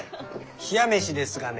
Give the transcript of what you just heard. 冷や飯ですがね